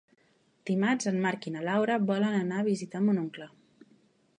Dimarts en Marc i na Laura volen anar a visitar mon oncle.